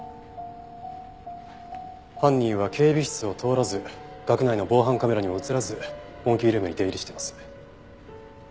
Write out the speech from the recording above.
犯人は警備室を通らず学内の防犯カメラにも映らずモンキールームに出入りしています。